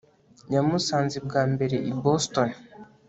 yamusanze bwa mbere i boston